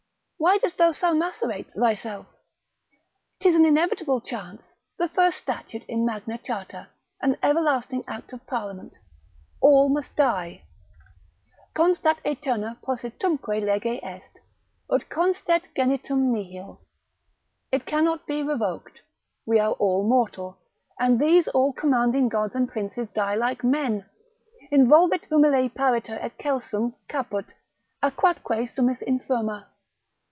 Why dost thou so macerate thyself? 'Tis an inevitable chance, the first statute in Magna Charta, an everlasting Act of Parliament, all must die. Constat aeterna positumque lege est, Ut constet genitum nihil. It cannot be revoked, we are all mortal, and these all commanding gods and princes die like men:—involvit humile pariter et celsum caput, aquatque summis infima.